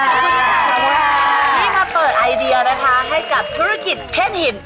วันนี้มาเปิดไอเดียนะคะให้กับธุรกิจเพชรหิน